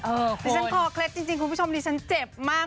เออควรดิฉันคอเคล็ดจริงจริงคุณผู้ชมดิฉันเจ็บมาก